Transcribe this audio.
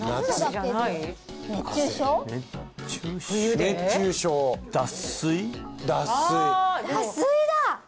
熱中症脱水脱水だ！